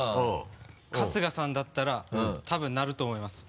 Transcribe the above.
春日さんだったら多分鳴ると思います。